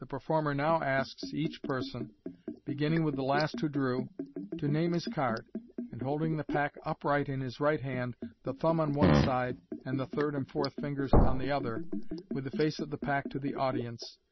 The performer now asks each person, beginning with the last who drew, to name his card, and, holding the pack upright in his right hand, the thumb on one side, and the third and fourth fingers on the other, with the face of the pack to the audience (see Fig.